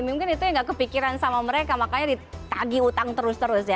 mungkin itu yang gak kepikiran sama mereka makanya ditagi utang terus terus ya